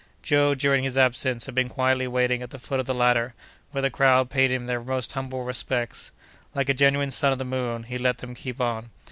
Joe, during his absence, had been quietly waiting at the foot of the ladder, where the crowd paid him their most humble respects. Like a genuine son of the moon, he let them keep on.